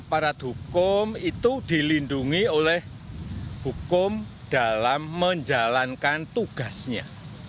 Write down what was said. aparat hukum itu dilindungi oleh hukum dalam menjalankan tugasnya